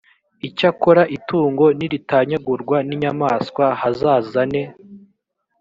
icyakora itungo niritanyagurwa n inyamaswa h azazane